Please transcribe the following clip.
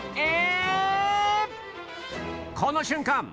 この瞬間